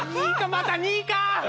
また２位か。